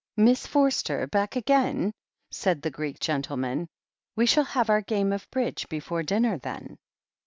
"Miss Forster back again?" said the Greek gentle man. "We shall have our game of Bridge before dm ner, then."